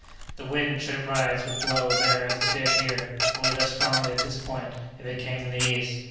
The wind, should it rise, would blow there as it did here, only less strongly at this point, if it came from the east.